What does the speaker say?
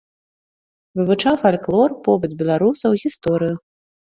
Вывучаў фальклор, побыт беларусаў, гісторыю.